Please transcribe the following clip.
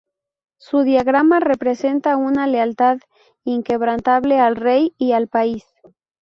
Su diagrama representa una lealtad inquebrantable al rey y al país.